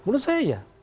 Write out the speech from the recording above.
menurut saya ya